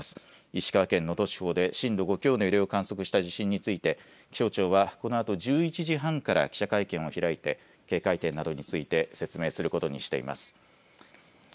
石川県能登地方で震度５強の揺れを観測した地震について気象庁はこのあと１１時半から記者会見を開いて警戒点などについて説明することにしています。